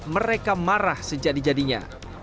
mereka marah sejadi jadinya